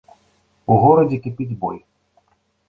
У горадзе кіпіць бой.